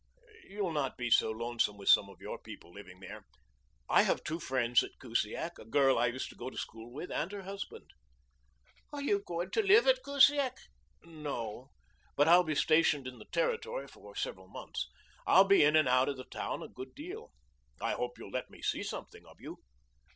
"You'll not be so lonesome with some of your people living there. I have two friends at Kusiak a girl I used to go to school with and her husband." "Are you going to live at Kusiak?" "No; but I'll be stationed in the Territory for several months. I'll be in and out of the town a good deal. I hope you'll let me see something of you."